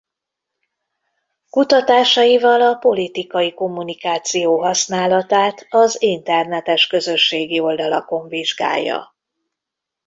Kutatásaival a politikai kommunikáció használatát az internetes közösségi oldalakon vizsgálja.